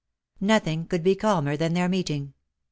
Nothing could be calmer than their meeting.